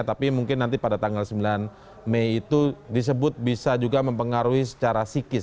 tapi mungkin nanti pada tanggal sembilan mei itu disebut bisa juga mempengaruhi secara psikis